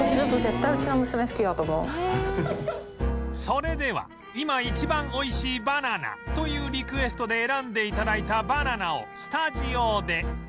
それでは今一番美味しいバナナというリクエストで選んで頂いたバナナをスタジオで